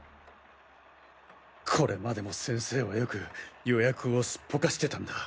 これまでも先生はよく予約をすっぽかしてたんだ。